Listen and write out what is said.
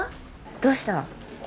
どうした？